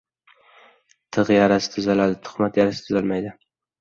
• Tig‘ yarasi tuzaladi, tuhmat yarasi tuzalmaydi.